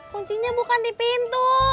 kuncinya bukan di pintu